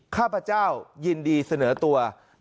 ข้าพเจ้ายินดีเสนอตัว